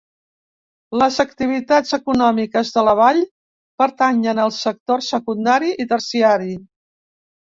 Les activitats econòmiques de la vall pertanyen als sectors secundari i terciari.